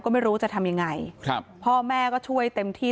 ก็ไม่รู้จะทำยังไงครับพ่อแม่ก็ช่วยเต็มที่